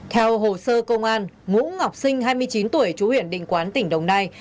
theo hồ sơ công an ngũ ngọc sinh hai mươi chín tuổi trú huyện định quán tỉnh đồng nai